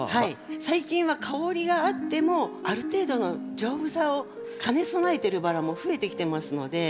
最近は香りがあってもある程度の丈夫さを兼ね備えてるバラも増えてきてますので。